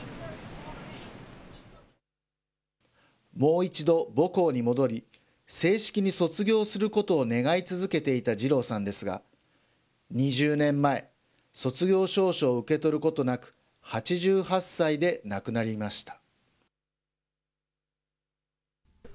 もう一度母校に戻り、正式に卒業することを願い続けていたジローさんですが、２０年前、卒業証書を受け取ることなく、８８歳で亡くなりました。